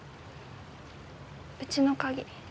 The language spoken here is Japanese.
うちの鍵。